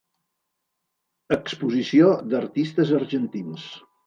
Exposició d'Artistes Argentins.